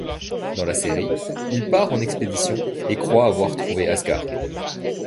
Dans la série il part en expedition et croit avoir trouvé Asgard.